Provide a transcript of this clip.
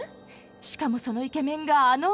しかもそのイケメンがあの。